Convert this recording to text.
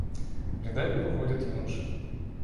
Рядами выходят юноши.